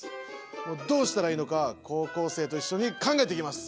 どうしたらいいのか高校生と一緒に考えていきます！